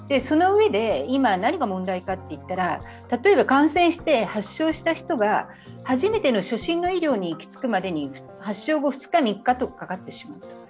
そのうえで、今何が問題かといったら、例えば感染して発症した人が初診の医療に行き着くまでに発症後、２日、３日とかかってしまう。